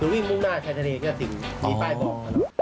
คือวิ่งมุมหน้าใช้ทะเลแค่สิบมีป้ายบอก